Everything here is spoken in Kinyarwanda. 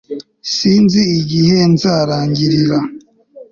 Sinzi igihe nzarangirira